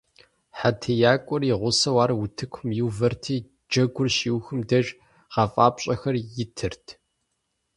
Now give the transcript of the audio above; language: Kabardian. ХьэтиякӀуэр и гъусэу ар утыкум иувэрти, джэгур щиухым деж гъэфӀапщӀэхэр итырт.